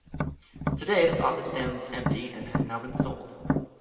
Today, this office stands empty and has now been sold.